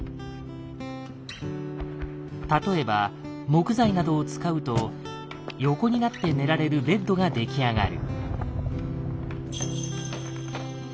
例えば木材などを使うと横になって寝られるベッドが出来上がる。